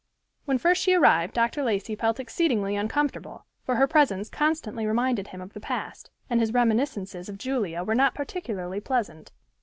When first she arrived Dr. Lacey felt exceedingly uncomfortable, for her presence constantly reminded him of the past, and his reminiscences of Julia were not particularly pleasant.